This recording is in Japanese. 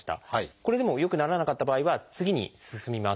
これでも良くならなかった場合は次に進みます。